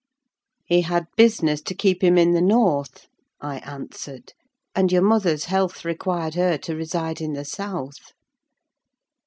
"He had business to keep him in the north," I answered, "and your mother's health required her to reside in the south."